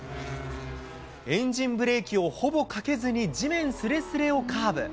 エンジンブレーキをほぼかけずに地面すれすれをカーブ。